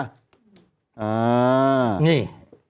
อ่านี่